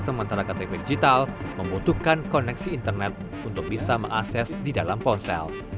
sementara ktp digital membutuhkan koneksi internet untuk bisa mengakses di dalam ponsel